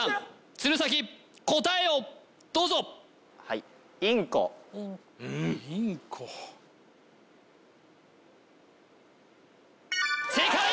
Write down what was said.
鶴崎答えをどうぞ正解！